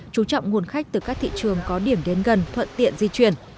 chú trọng nguồn khách từ các thị trường có điểm đến gần thuận tiện di chuyển